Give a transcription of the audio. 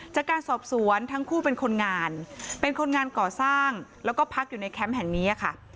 จากการสอบสวนทั้งคู่เป็นคนงานเป็นคนงานก่อสร้างแล้วก็พักอยู่ในแคมป์แห่งนี้ค่ะ